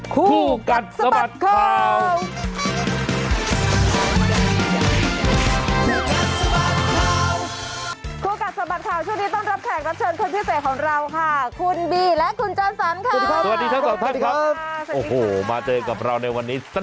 คู่กัดสะบัดข่าว